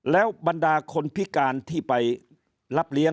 แล้วบรรดาคนพิการที่ไปรับเลี้ยง